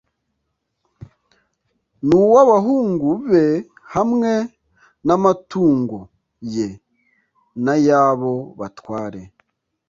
n uw abahungu be hamwe n amatungod ye n ayabo batware